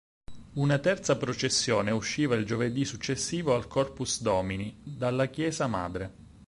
Una terza processione usciva il Giovedì' successivo al Corpus Domini, dalla Chiesa Madre.